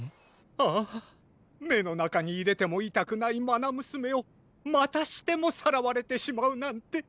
ああめのなかにいれてもいたくないまなむすめをまたしてもさらわれてしまうなんて。